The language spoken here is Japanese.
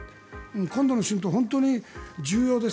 今度の春闘本当に重要です。